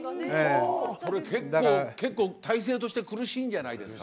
結構、体勢として苦しいんじゃないですか。